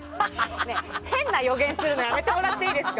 変な予言するのやめてもらっていいですか！